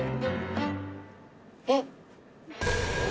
えっ。